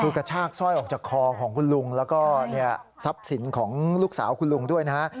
คือกระชากสร้อยออกจากคอของคุณลุงแล้วก็ทรัพย์สินของลูกสาวคุณลุงด้วยนะฮะ